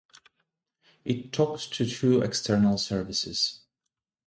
It talks to two external services